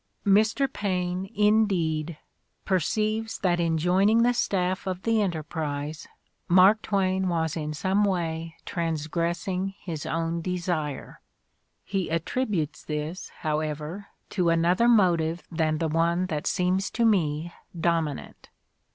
In the Crucible 83 Mr. Paine, indeed, perceives that in joining the stafiP of the Enterprise Mark Twain was in some way trans gressing his own desire. He attributes this, however, to another motive than the one that seems to me dominant.